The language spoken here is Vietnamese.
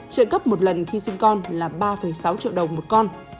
trợ cấp một lần khi sinh con là ba sáu trợ cấp